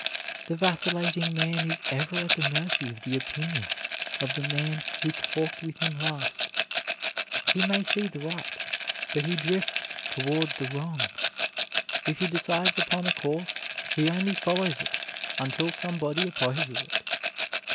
The vacillating man is ever at the mercy of the opinion of the man who talked with him last. He may see the right, but he drifts toward the wrong. If he decides upon a course he only follows it until somebody opposes it.